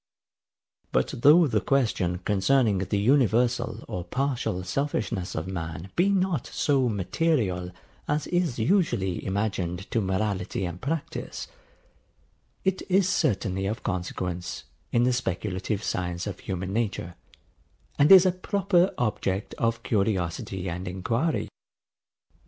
But though the question concerning the universal or partial selfishness of man be not so material as is usually imagined to morality and practice, it is certainly of consequence in the speculative science of human nature, and is a proper object of curiosity and enquiry.